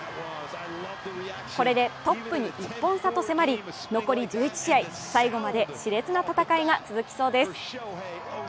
これでトップに１本差と迫り、残り１１試合、最後までしれつな戦いが続きそうです。